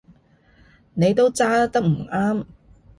你都揸得唔啱